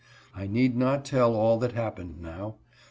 I need not tell all that happened now.